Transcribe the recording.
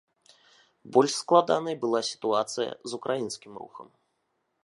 Больш складанай была сітуацыя з украінскім рухам.